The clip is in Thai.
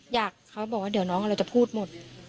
เขาบอกว่าเดี๋ยวน้องเราจะพูดหมด